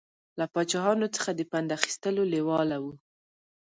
له پاچاهانو څخه د پند اخیستلو لېواله و.